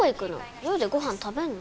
寮でご飯食べんの？